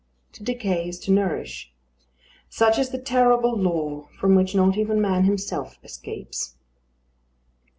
To decay is to nourish. Such is the terrible law from which not even man himself escapes.